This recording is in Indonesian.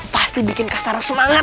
pasti bikin kastara semangat